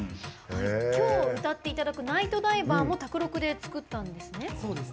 きょう、歌っていただく「ナイトダイバー」も宅録で作ったんですね？